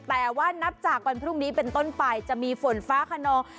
แต่ว่านับจากวันพรุ่งนี้เป็นต้นไปจะมีฝนฟ้าขนอง